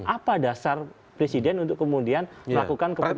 apa dasar presiden untuk kemudian melakukan keputusan